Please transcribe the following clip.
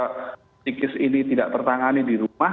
psikis ini tidak tertangani di rumah